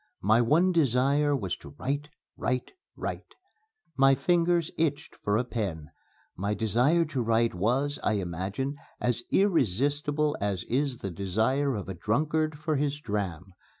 My one desire was to write, write, write. My fingers itched for a pen. My desire to write was, I imagine, as irresistible as is the desire of a drunkard for his dram.